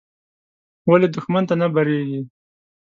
ولې دوښمن ته نه بړېږې.